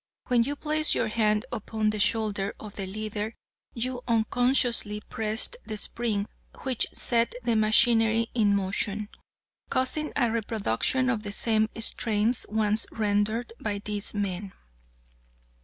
When you placed your hand upon the shoulder of the leader you unconsciously pressed the spring which set the machinery in motion, causing a reproduction of the same strains once rendered by these men."